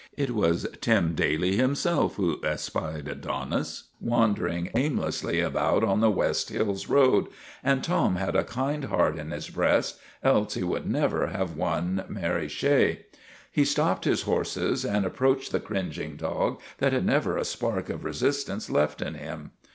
It was Tim Daly himself who espied Adonis wandering aimlessly about on the West Hills THE RETURN OF THE CHAMPION 309 Road, and Tim had a kind heart in his breast, else he would never have won Mary Shea. He stopped his horses and approached the cringing dog, that had never a spark of resistance left in him.